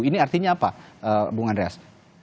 ini artinya apa bung andreas